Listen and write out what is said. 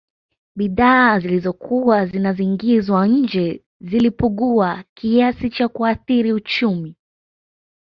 Bidhaa zilizokuwa zinazingizwa nje zilipugua kiasi cha kuathiri uchumi